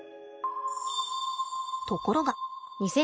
ところが。